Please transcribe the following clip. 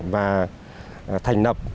và thành nập